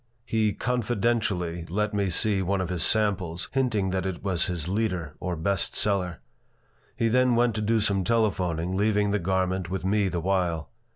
He "confidentially" let me see one of his samples, hinting that it was his "leader," or best seller. He then went to do some telephoning, leaving the garment with me the while.